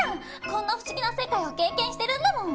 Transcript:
こんな不思議な世界を経験してるんだもん。